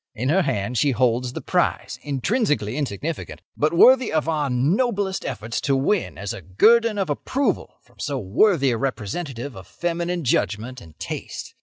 In her hand she holds the prize, intrinsically insignificant, but worthy of our noblest efforts to win as a guerdon of approval from so worthy a representative of feminine judgment and taste.